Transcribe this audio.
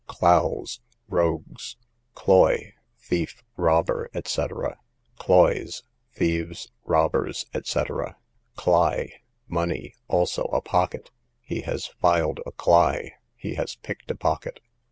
Clowes, rogues. Cloy, thief, robber, &c. Cloyes, thieves, robbers, &c. Cly, money; also, a pocket. He has filed a cly; he has picked a pocket.